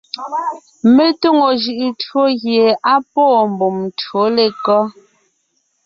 Mé tóŋo jʉʼʉ tÿǒ gie á pwóon mbùm tÿǒ lekɔ́?